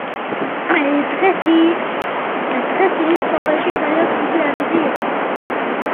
დღეს დილით სოფელში ძალიან მშვიდი ამინდი იყო.